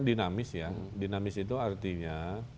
dinamis ya dinamis itu artinya